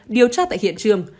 điều tra tại hiện trường